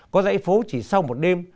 có dãy phố chỉ sau một đêm